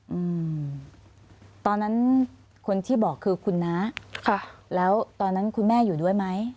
อืมตอนนั้นคนที่บอกคือคุณน้าค่ะแล้วตอนนั้นคุณแม่อยู่ด้วยไหม